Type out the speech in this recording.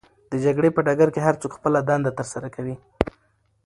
د جګړې په ډګر کې هرڅوک خپله دنده ترسره کوي.